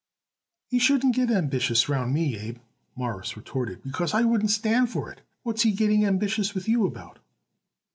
"He shouldn't get ambitious around me, Abe," Morris retorted, "because I wouldn't stand for it. What's he getting ambitious with you about?"